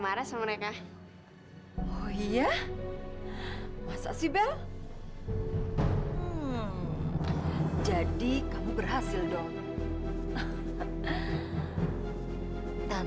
terus aku capek ngadepin dia